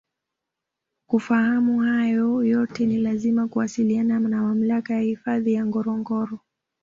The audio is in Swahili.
Kufahamu hayo yote ni lazima kuwasiliana na Mamlaka ya Hifadhi ya Ngorongoro